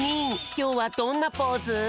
きょうはどんなポーズ？